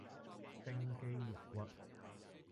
冰肌玉骨